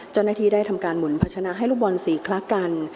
เจ้าหน้าที่ได้ทำการหมุนพัชนะให้ลูกบอลสีคลักกัน